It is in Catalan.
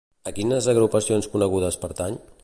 A quines agrupacions conegudes pertany?